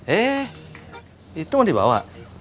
eh itu yang dibawa